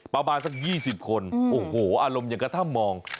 ประมาณสัก๒๐คนโอ้โหอารมณ์อย่างกระท่ำมอง